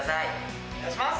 お願いします！